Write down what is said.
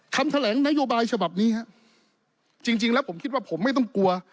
คำแถลงนโยบายฉบับนี้ฮะจริงจริงแล้วผมคิดว่าผมไม่ต้องกลัว